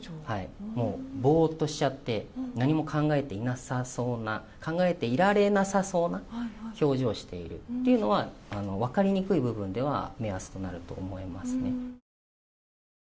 ぼーっとしちゃって何も考えていられなさそうな表情をしているというのは分かりにくい部分では目安となると思いますね。